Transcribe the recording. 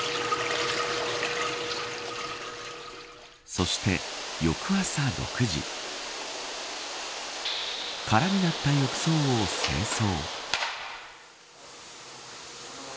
そして、翌朝６時空になった浴槽を清掃。